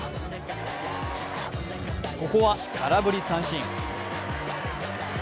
ここは空振り三振。